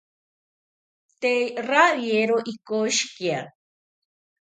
Tee rawiero ikoshekia